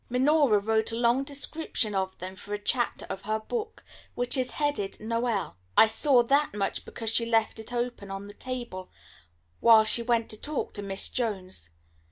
Minora wrote a long description of them for a chapter of her book which is headed Noel, I saw that much, because she left it open on the table while she went to talk to Miss Jones.